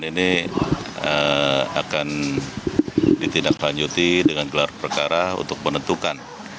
ini akan ditindaklanjuti dengan gelar perkara untuk menentukan